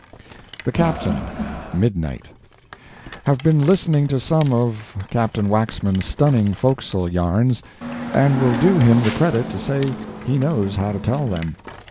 THE CAPTAIN MIDNIGHT—have been listening to Some of Captain Waxman's stunning forecastle yarns, and I will do him the credit to say he knows how to tell them.